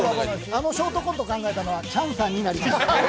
あのショートコント考えたのは、チャンさんになります。